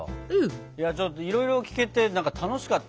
いやちょっといろいろ聞けてなんか楽しかった。